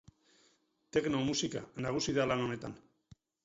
Techno musika nagusi da lan honetan.